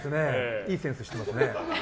いいセンスしてますね。